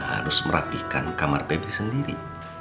bebi harus merapikan kamar bebi sendiri